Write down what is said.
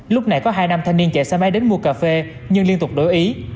lúc này có hai nam thanh niên chạy xe máy đến mua cà phê nhưng liên tục đổi ý